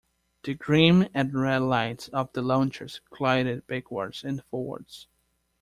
The green and red lights of the launches glided backwards and forwards.